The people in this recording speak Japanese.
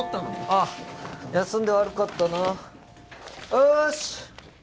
ああ休んで悪かったなよし